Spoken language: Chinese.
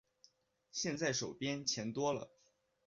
现在手边钱多了